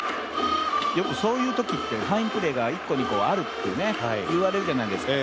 よく、そういうときってファインプレーが１個、２個あるっていうじゃないですか。